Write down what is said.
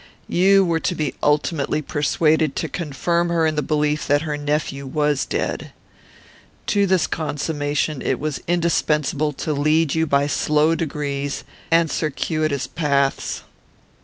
You were to be ultimately persuaded to confirm her in the belief that her nephew was dead. To this consummation it was indispensable to lead you by slow degrees and circuitous paths.